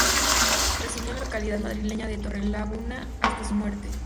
Residió en la localidad madrileña de Torrelaguna hasta su muerte.